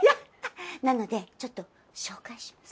なのでちょっと紹介します。